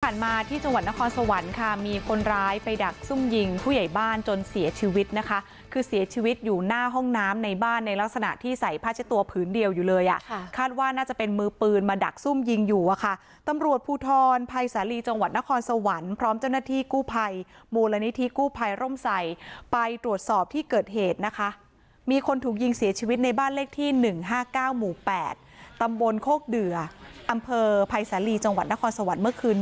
ผ่านมาที่จังหวัดนครสวรรค์ค่ะมีคนร้ายไปดักซุ่มยิงผู้ใหญ่บ้านจนเสียชีวิตนะคะคือเสียชีวิตอยู่หน้าห้องน้ำในบ้านในลักษณะที่ใส่ผ้าเจ็ดตัวผืนเดียวอยู่เลยอ่ะคาดว่าน่าจะเป็นมือปืนมาดักซุ่มยิงอยู่อ่ะค่ะตำรวจผู้ทอนภัยสาลีจังหวัดนครสวรรค์พร้อมเจ้าหน้าที่กู้ภัยมูลนิธีกู้